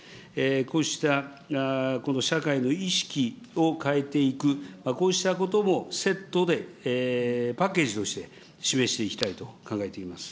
こうした、この社会の意識を変えていく、こうしたこともセットで、パッケージとして、示していきたいと考えています。